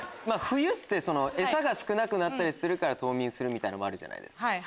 冬ってエサが少なくなるから冬眠するみたいのもあるじゃないですか。